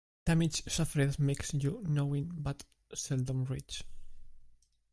Damage suffered makes you knowing, but seldom rich.